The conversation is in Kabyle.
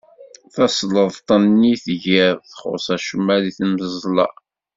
Tasleḍt-nni tgiḍ txuṣṣ acemma deg tmeẓla.